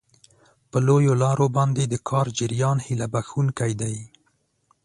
په لویو لارو باندې د کار جریان هیله بښونکی دی.